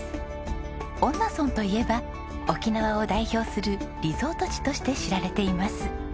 恩納村といえば沖縄を代表するリゾート地として知られています。